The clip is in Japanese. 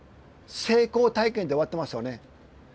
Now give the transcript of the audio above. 成功体験で終わってますよね。